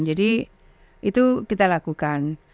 jadi itu kita lakukan